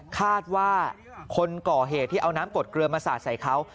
คาดว่าคนก่อเหตุที่เอาน้ำกดเกลือมาสาดใส่เขา